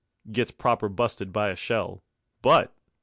Gets proper busted by a shell, But